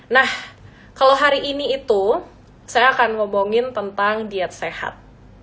nah kalau hari ini itu saya akan ngomongin tentang diet sehat